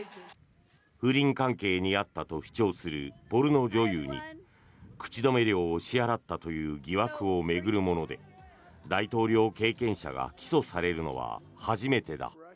不倫関係にあったと主張するポルノ女優に口止め料を支払ったという疑惑を巡るもので大統領経験者が起訴されるのは初めてだ。